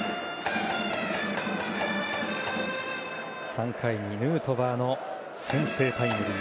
３回にヌートバーの先制タイムリー